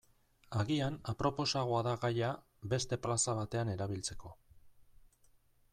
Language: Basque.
Agian aproposagoa da gaia beste plaza batean erabiltzeko.